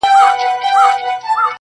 دا به ولاړ وي د زمان به توپانونه راځي.!